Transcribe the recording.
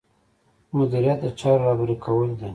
مدیریت د چارو رهبري کول دي.